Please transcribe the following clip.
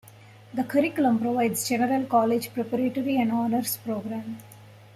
The curriculum provides general college preparatory and honors programs.